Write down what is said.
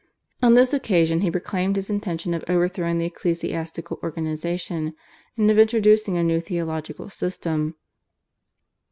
On this occasion he proclaimed his intention of overthrowing the ecclesiastical organisation, and of introducing a new theological system.